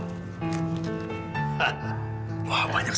bapak ini adalah harga yang saya inginkan